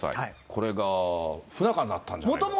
これが、不仲になったんじゃないかと。